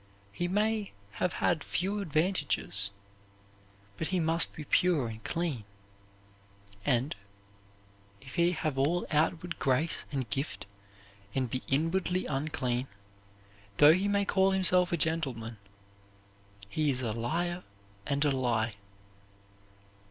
He may have had few advantages. But he must be pure and clean. And, if he have all outward grace and gift and be inwardly unclean, though he may call himself a gentleman, he is a liar and a lie.